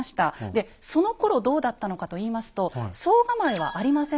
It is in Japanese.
でそのころどうだったのかと言いますと総構はありません